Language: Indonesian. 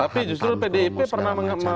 tapi justru pdip pernah